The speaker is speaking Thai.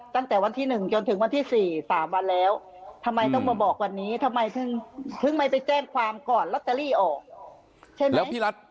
ตั้งแต่วันที่๑จนถึงวันที่๔๓วันแล้วทำไมต้องมาบอกวันนี้ทำไมถึงไม่ไปแจ้งความก่อนลอตเตอรี่ออกใช่ไหมแล้วพี่รัฐ